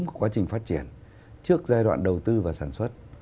cũng có quá trình phát triển trước giai đoạn đầu tư và sản xuất